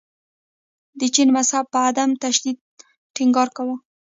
د جین مذهب په عدم تشدد ټینګار کاوه.